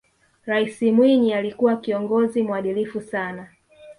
raisi mwinyi alikuwa kiongozi muadilifu sana